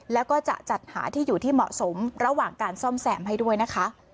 แล้วก็จะจัดหาที่อยู่ที่เหมาะสมระหว่างการซ่อมแซมให้ด้วยนะคะ